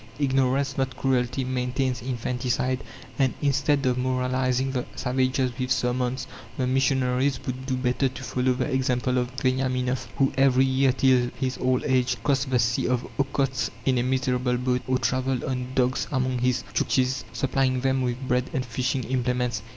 Ignorance, not cruelty, maintains infanticide; and, instead of moralizing the savages with sermons, the missionaries would do better to follow the example of Veniaminoff, who, every year till his old age, crossed the sea of Okhotsk in a miserable boat, or travelled on dogs among his Tchuktchis, supplying them with bread and fishing implements.